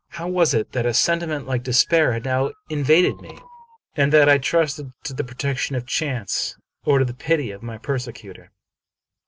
How was it that a sentiment like despair had now invaded me, and that I trusted to the protection of chance, or to the pity of my persecutor